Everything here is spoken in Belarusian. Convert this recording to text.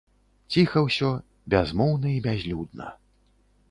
Ціха ўсё, бязмоўна і бязлюдна.